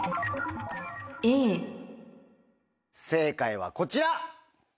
正解はこちら。